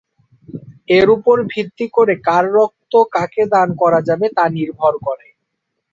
এর উপর ভিত্তি করে কার রক্ত কাকে দান করা যাবে তা নির্ভর করে।